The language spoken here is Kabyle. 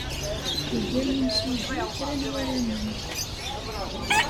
Iga yimsujji kra n warramen.